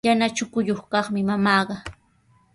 Yana chukuyuq kaqmi mamaaqa.